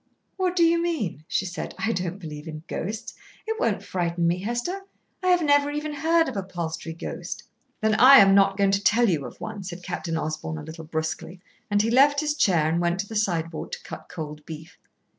"What do you mean?" she said. "I don't believe in ghosts. It won't frighten me, Hester. I never even heard of a Palstrey ghost." "Then I am not going to tell you of one," said Captain Osborn a little brusquely, and he left his chair and went to the sideboard to cut cold beef.